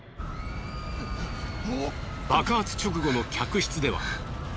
爆発直後の客室では。